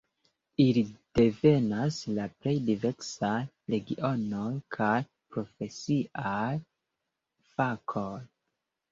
Ili devenas de plej diversaj regionoj kaj profesiaj fakoj.